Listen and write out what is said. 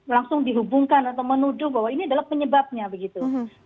langsung dihubungkan atau menuduh bahwa ini adalah penyebabnya begitu